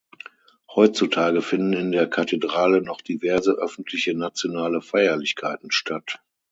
Heutzutage finden in der Kathedrale noch diverse öffentliche nationale Feierlichkeiten statt.